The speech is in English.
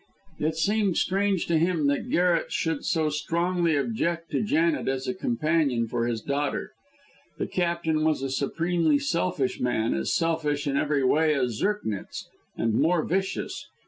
It seemed strange to him that Garret should so strongly object to Janet as a companion for his daughter. The Captain was a supremely selfish man, as selfish in every way as Zirknitz, and more vicious.